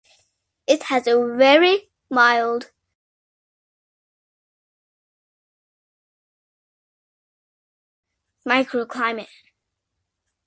It has a very mild microclimate.